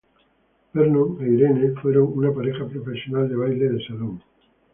Vernon e Irene fueron una pareja profesional de baile de salón.